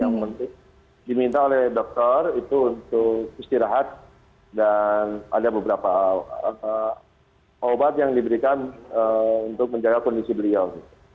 yang penting diminta oleh dokter itu untuk istirahat dan ada beberapa obat yang diberikan untuk menjaga kondisi beliau